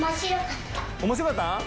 面白かった？